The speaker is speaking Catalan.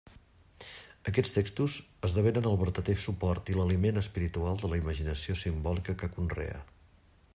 Aquests textos esdevenen el vertader suport i l'aliment espiritual de la imaginació simbòlica que conrea.